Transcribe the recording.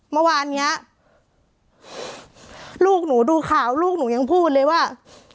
เมื่อวานเนี้ยลูกหนูดูข่าวลูกหนูยังพูดเลยว่า